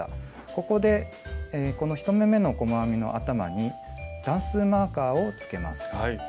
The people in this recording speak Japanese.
ここでこの１目めの細編みの頭に段数マーカーをつけます。